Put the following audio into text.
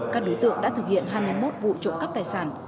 các đối tượng đã thực hiện hai mươi một vụ trộm cắp tài sản